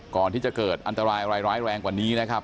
ก่อนที่จะเกิดอันตรายอะไรร้ายแรงกว่านี้นะครับ